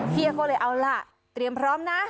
พี่ก็เลยเอาล่ะเตรียมพร้อมนะ